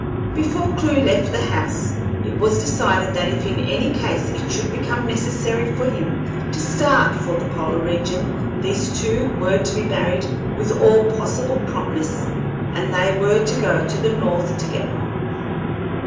Before Clewe left the house it was decided that if in any case it should become necessary for him to start for the polar regions these two were to be married with all possible promptness, and they were to go to the North together.